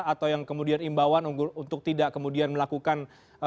atau yang kemudian imbauan untuk tidak kemudian melakukan